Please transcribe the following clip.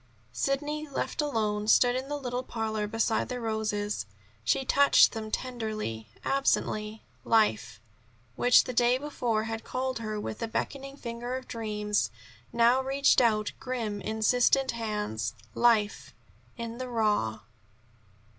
Sidney, left alone, stood in the little parlor beside the roses. She touched them tenderly, absently. Life, which the day before had called her with the beckoning finger of dreams, now reached out grim insistent hands. Life in the raw.